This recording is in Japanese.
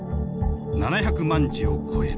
７００万字を超える。